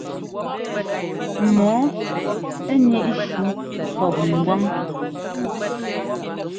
Mɔɔ níʼ shú pɔp ŋgwán.